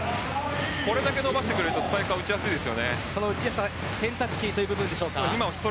これだけ伸ばしてくれるとスパイカーは打ちやすいです。